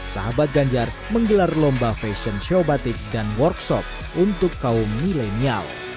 sahabat ganjar menggelar lomba fashion show batik dan workshop untuk kaum milenial